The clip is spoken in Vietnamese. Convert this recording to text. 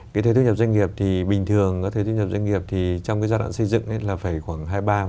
cái thuế thu nhập doanh nghiệp thì bình thường cái thuế thu nhập doanh nghiệp thì trong cái giai đoạn xây dựng là phải khoảng hai mươi ba